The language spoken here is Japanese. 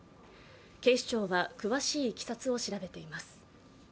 警視庁は詳しいいきさつを調べています。